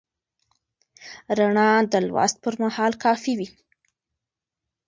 رڼا د لوست پر مهال کافي وي.